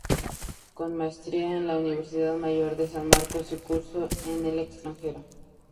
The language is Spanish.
Con maestría en la Universidad Mayor de San Marcos y cursos en el extranjero.